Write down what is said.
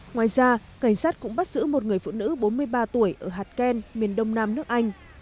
ngoài ra cảnh sát cũng bắt giữ một người phụ nữ bốn mươi ba tuổi ở hạt ken miền đông nam nước anh